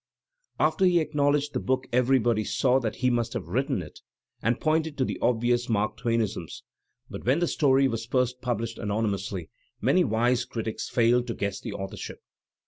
After he acknowledged the book everybody saw that he must have written it, and pointed to the obvious Mark Twainisms, but when the story was first pubUshed anonymously, many wise critics failed to guess the authorship.